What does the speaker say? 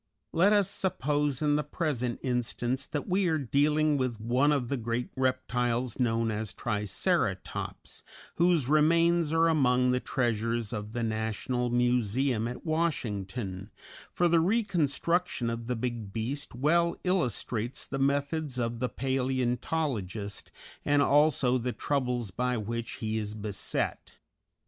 Let us suppose in the present instance that we are dealing with one of the great reptiles known as Triceratops whose remains are among the treasures of the National Museum at Washington, for the reconstruction of the big beast well illustrates the methods of the palæontologist and also the troubles by which he is beset.